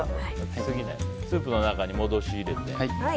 スープの中に戻し入れて。